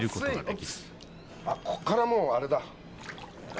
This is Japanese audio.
ここからもうあれだ。